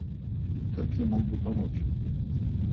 Как я мог бы помочь?